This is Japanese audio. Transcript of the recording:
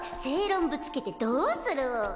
正論ぶつけてどうするお！